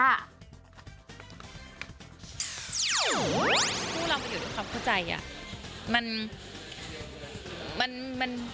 ผู้เรามาอยู่ก็เข้าใจ